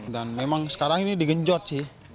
dan memang sekarang ini digenjot sih